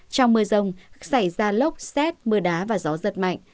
trong mưa rồng khả năng xảy ra lốc xét mưa đá và gió rất mạnh